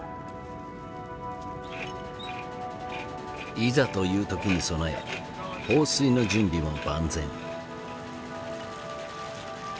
いざという時に備え放水の準備も万全。